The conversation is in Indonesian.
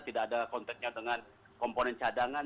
tidak ada konteknya dengan komponen cadangan